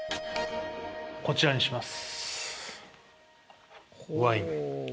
こちらにします。